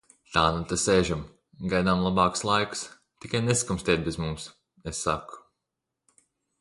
Tā nu te sēžam, gaidām labākus laikus. Tikai neskumstiet bez mums, – es saku...